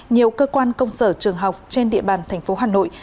nhiều cơ quan công sở trường học trên địa bàn thành phố hà nội